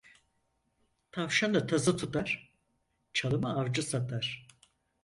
Tavşanı tazı tutar, çalımı avcı satar.